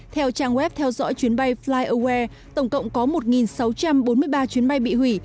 theo trang web theo dõi chuyến bay flywe tổng cộng có một sáu trăm bốn mươi ba chuyến bay bị hủy